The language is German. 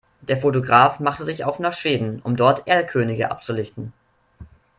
Der Fotograf machte sich auf nach Schweden, um dort Erlkönige abzulichten.